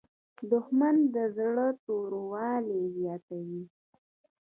• دښمني د زړه توروالی زیاتوي.